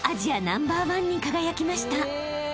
ナンバーワンに輝きました］